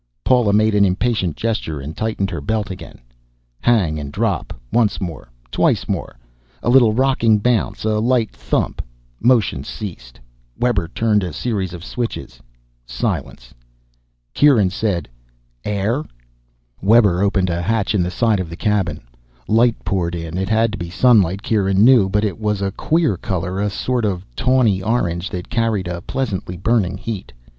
Paula made an impatient gesture and tightened her belt again. Hang and drop. Once more, twice more. A little rocking bounce, a light thump, motion ceased. Webber turned a series of switches. Silence. Kieran said, "Air?" Webber opened a hatch in the side of the cabin. Light poured in. It had to be sunlight, Kieran knew, but it was a queer color, a sort of tawny orange that carried a pleasantly burning heat.